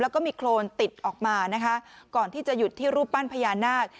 แล้วก็มีโครนติดออกมานะคะก่อนที่จะหยุดที่รูปปั้นพญานาค